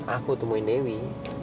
aku temuin dewi